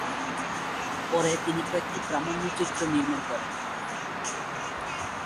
পরে তিনি কয়েকটি প্রামাণ্যচিত্র নির্মাণ করেন।